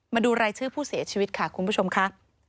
มาดูรายชื่อผู้เสียชีวิตค่ะคุณผู้ชมค่ะ